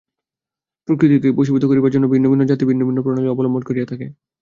প্রকৃতিকে বশীভূত করিবার জন্য ভিন্ন ভিন্ন জাতি ভিন্ন ভিন্ন প্রণালী অবলম্বন করিয়া থাকে।